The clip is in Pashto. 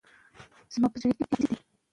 سړی له ډېر کاره ستړی شوی دی.